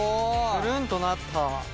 くるんとなった。